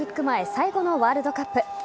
前最後のワールドカップ。